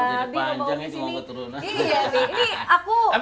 jadi panjangnya cuma keturunan